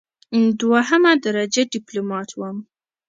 دوهمه درجه ډیپلوماټ وم.